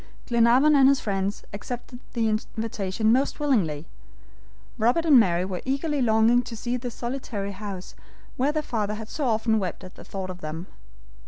Glenarvan and his friends accepted the invitation most willingly. Robert and Mary were eagerly longing to see the solitary house where their father had so often wept at the thought of them.